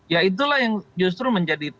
ya itulah yang justru menjadi